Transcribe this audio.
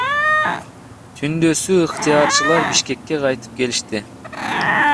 Түндөсү ыктыярчылар Бишкекке кайтып келишти.